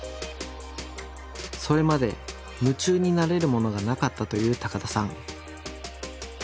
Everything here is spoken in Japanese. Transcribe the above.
それまで夢中になれるものがなかったという高田さん。